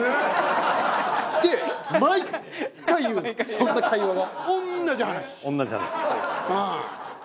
そんな会話が。